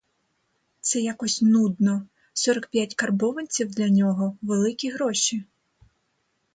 Це якось нудно: сорок п'ять карбованців для нього великі гроші.